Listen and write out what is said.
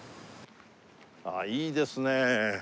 あっいいですね。